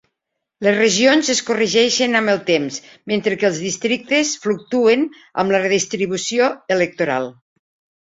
Les regions es corregeixen amb el temps, mentre que els districtes fluctuen amb la redistribució electoral.